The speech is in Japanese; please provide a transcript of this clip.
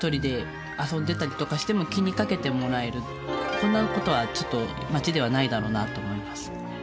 こんな事はちょっと街ではないだろうなと思います。